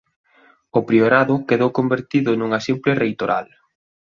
O priorado quedou convertido nunha simple reitoral.